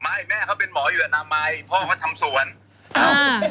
ไม่แม่เขาเป็นหมออยู่อาณามัยพ่อเขาทำสวน